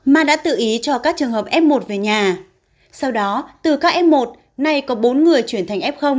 mà đã tự ý cho các trường hợp f một về nhà sau đó từ các f một nay có bốn người chuyển thành f